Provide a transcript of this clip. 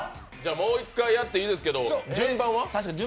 もう１回やっていいですけど順番は？